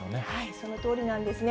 そのとおりなんですね。